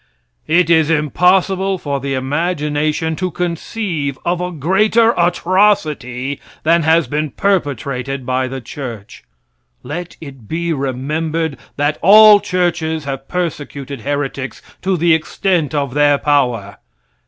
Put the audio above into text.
It is impossible for the imagination to conceive of a greater atrocity than has been perpetrated by the church. Let it be remembered that all churches have persecuted heretics to the extent of their power.